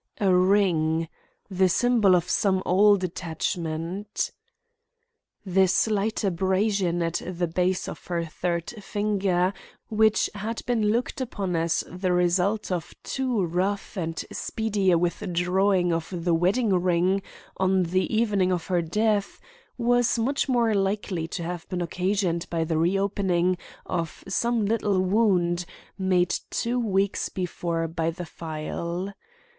A ring! the symbol of some old attachment. The slight abrasion at the base of her third finger, which had been looked upon as the result of too rough and speedy a withdrawing of the wedding ring on the evening of her death, was much more likely to have been occasioned by the reopening of some little wound made two weeks before by the file.